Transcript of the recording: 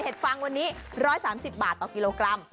ฟังวันนี้๑๓๐บาทต่อกิโลกรัม